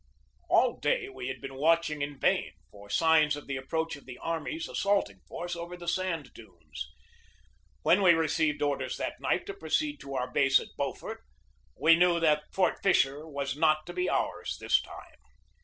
All day we had been watching in vain for signs of the approach of the army's assaulting force over the sand dunes. When we received orders that night to proceed to our base at Beaufort we knew that Fort Fisher was not to be ours this time.